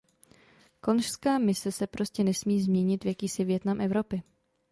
Konžská mise se prostě nesmí změnit v jakýsi Vietnam Evropy.